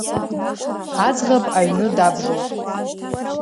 Аӡӷаб аҩны дабжоуп.